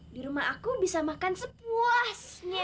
di rumah aku bisa makan sepuasnya